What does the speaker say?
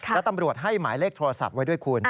และตำรวจให้หมายเลขโทรศัพท์ไว้ด้วยคุณ